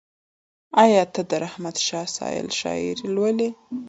ایا ته د رحمت شاه سایل شاعري لولې؟